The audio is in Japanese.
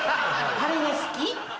晴れが好き。